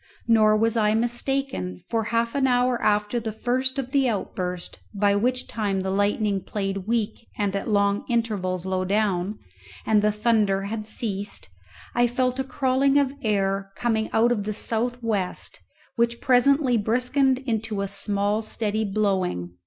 Nor was I mistaken; for half an hour after the first of the outburst, by which time the lightning played weak and at long intervals low down, and the thunder had ceased, I felt a crawling of air coming out of the south west, which presently briskened into a small steady blowing.